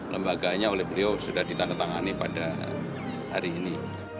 lembaganya oleh beliau sudah ditandatangani pada hari ini